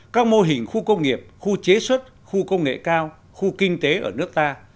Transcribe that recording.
các mô hình khu công nghiệp khu chế xuất khu công nghệ cao khu kinh tế ở nước ta